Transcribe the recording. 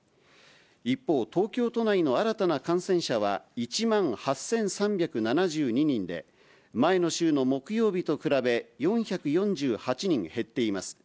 一方、東京都内の新たな感染者は、１万８３７２人で、前の週の木曜日と比べ、４４８人減っています。